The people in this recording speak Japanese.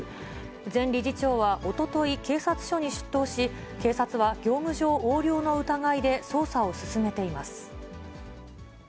前理事長はおととい、警察署に出頭し、警察は業務上横領の疑いで捜査を進めています。